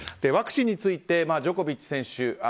ワクチンについてジョコビッチ選手